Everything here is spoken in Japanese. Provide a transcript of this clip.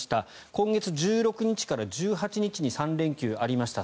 今月１６日から１８日に３連休がありました。